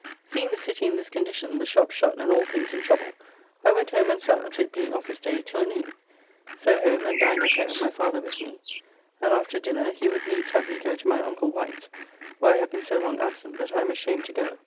Seeing the city in this condition, the shops shut, and all things in trouble, I went home and sat, it being office day, till noon. So home, and dined at home, my father with me, and after dinner he would needs have me go to my uncle Wight's (where I have been so long absent that I am ashamed to go).